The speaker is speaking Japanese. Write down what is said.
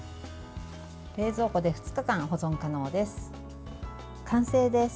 冷蔵庫で２日間保存可能です。